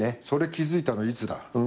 それ気付いたのいつだ？